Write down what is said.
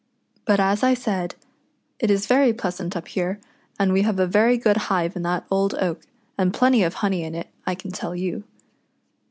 But as I said, it is very pleasant up here, and we have a very good hive in that old oak, and plenty of lioney in it, I can tell }'ou."